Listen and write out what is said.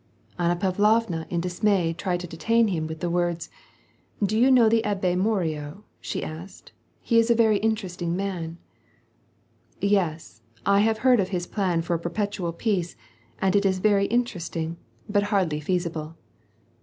Anna Pavlovna in dis may tried to detain him with the words, —" Do vou know the Abb6 Morio ?" she asked, "he i/i a very interesting man." ^' Yes, I have heard of his plan for a perpetual peace, and it is veiy interesting, but hardly feasible.'